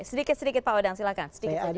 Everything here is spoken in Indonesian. sedikit sedikit pak wadang silakan